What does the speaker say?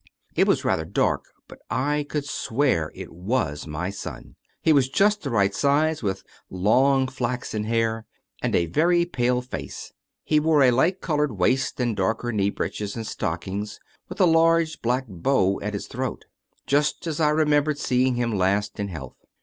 It was rather dark, but I could swear it was my son. He was just the right size, with long flaxen hair and a very pale face. He wore a light colored waist and darker knee breeches and stockings, with a large black bow at his throat, just as I remember seeing him last in health.